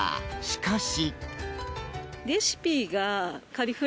しかし。